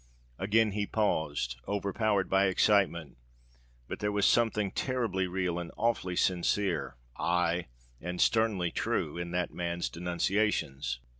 Again he paused, overpowered by excitement:—but there was something terribly real and awfully sincere—aye, and sternly true—in that man's denunciations!